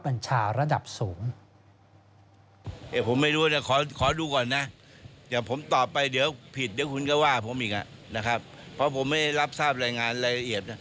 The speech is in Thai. เพราะผมไม่ได้รับทราบรายงานรายละเอียด